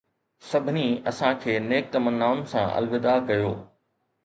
سڀني اسان کي نيڪ تمنائن سان الوداع ڪيو